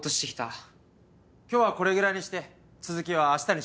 今日はこれぐらいにして続きは明日にしましょう。